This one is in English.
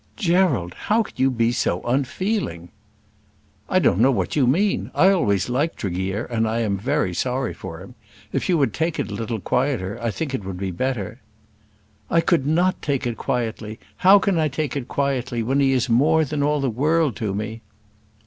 "Gerald! How can you be so unfeeling!" "I don't know what you mean. I always liked Tregear, and I am very sorry for him. If you would take it a little quieter, I think it would be better." "I could not take it quietly. How can I take it quietly when he is more than all the world to me?"